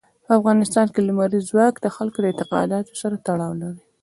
په افغانستان کې لمریز ځواک د خلکو د اعتقاداتو سره تړاو لري.